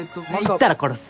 言ったら殺す。